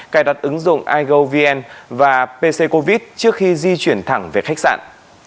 cài đặt ứng dụng igovn và pc covid trước khi di chuyển thẳng về khách sạn